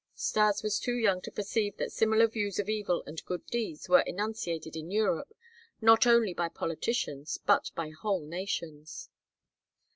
Stas was too young to perceive that similar views of evil and good deeds were enunciated in Europe not only by politicians but by whole nations.